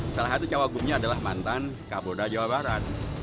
salah satu cowok gubernurnya adalah mantan kabodra jawa barat